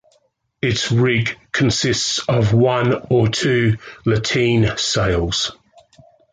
Its rig consists of one or two lateen sails.